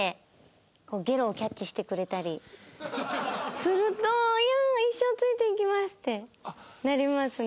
すると「やーん！一生ついていきます！」ってなりますね。